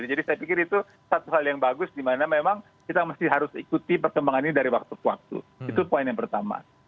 jadi saya pikir itu satu hal yang bagus di mana memang kita harus ikuti pertempangan ini dari waktu ke waktu itu poin yang pertama